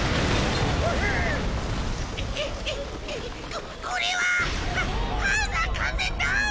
ここれはハハウザー完全ダウン！